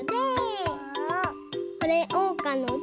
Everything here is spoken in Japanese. これおうかので。